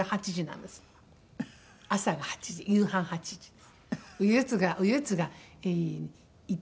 朝が８時夕飯８時です。